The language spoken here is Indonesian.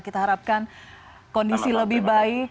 kita harapkan kondisi lebih baik